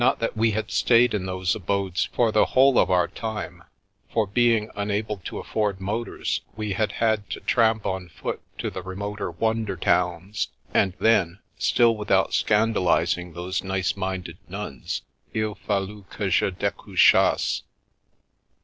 Not that we had stayed in those abodes for the whole of our time, for being unable to afford motors we had had to tramp on foot to the remoter wonder towns, and then — still without scandalising those nice minded nuns — il fattilt que je decouchasse.